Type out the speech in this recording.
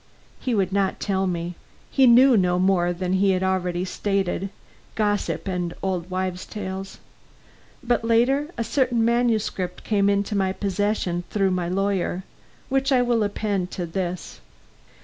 He could not tell me. He knew no more than he had already stated gossip and old wives' tales. But later, a certain manuscript came into my possession through my lawyer, which I will append to this.